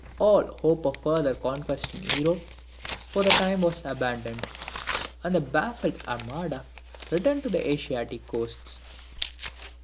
All hope of further conquest in Europe for the time was abandoned, and the baffled armada returned to the Asiatic coasts.